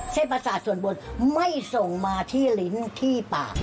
ประสาทส่วนบนไม่ส่งมาที่ลิ้นที่ปาก